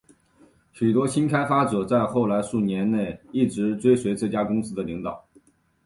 许多新的开发者在后来的数年内一直追随这家公司的领导。